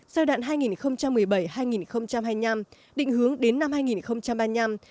giai đoạn hai nghìn một mươi bảy hai nghìn hai mươi năm định hướng đến năm hai nghìn ba mươi năm